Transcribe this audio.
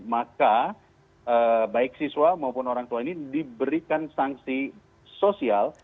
maka baik siswa maupun orang tua ini diberikan sanksi sosial